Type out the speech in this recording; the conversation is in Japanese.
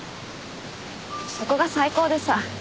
そこが最高でさ。